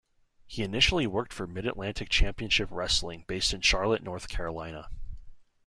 He initially worked for Mid Atlantic Championship Wrestling based in Charlotte, North Carolina.